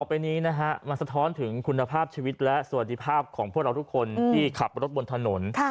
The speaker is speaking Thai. ไปนี้นะฮะมันสะท้อนถึงคุณภาพชีวิตและสวัสดีภาพของพวกเราทุกคนที่ขับรถบนถนน